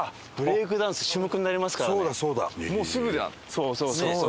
そうそうそうそう！